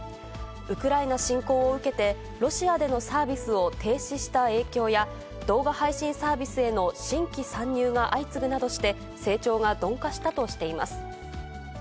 ウクライナ侵攻を受けて、ロシアでのサービスを停止した影響や、動画配信サービスへの新規参入が相次ぐなどして、成長が鈍化したとしています。